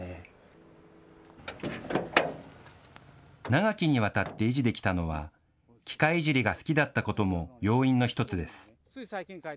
長きにわたって維持できたのは、機械いじりが好きだったことも要因の一つです。